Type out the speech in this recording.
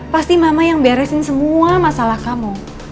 pasti mama yang beresin semua masalah kamu